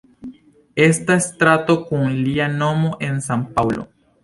Estas strato kun lia nomo en San-Paŭlo.